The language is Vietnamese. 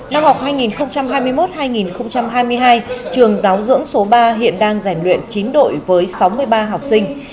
năm học hai nghìn hai mươi một hai nghìn hai mươi hai trường giáo dưỡng số ba hiện đang rèn luyện chín đội với sáu mươi ba học sinh